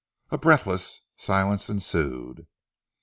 A breathless silence ensued.